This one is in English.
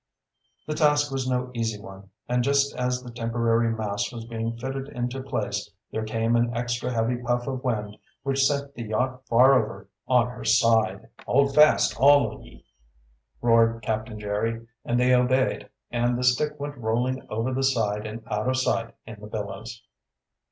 The task was no easy one, and just as the temporary mast was being fitted into place there came an extra heavy puff of wind which sent the yacht far over on her side. "Hold fast, all of ye!" roared Captain Jerry, and they obeyed, and the stick went rolling over the side and out of sight in the billows.